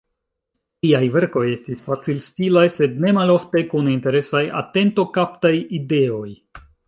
Liaj verkoj estis facilstilaj, sed nemalofte kun interesaj, atentokaptaj ideoj.